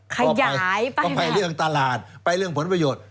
ขยายไปต้องไปเรื่องตลาดไปเรื่องผลประโยชน์